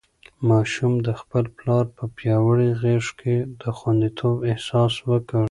ماشوم د خپل پلار په پیاوړې غېږ کې د خونديتوب احساس وکړ.